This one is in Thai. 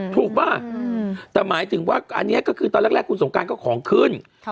ถูกป่ะแต่หมายถึงว่าอันนี้ก็คือตอนแรกคุณสงการก็ของขึ้น